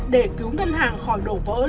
để cứu ngân hàng khỏi đổ vỡ